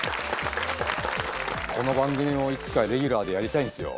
この番組もいつかレギュラーでやりたいんですよ。